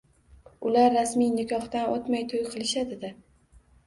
Ular rasmiy nikohdan o`tmay to`y qilishadi-da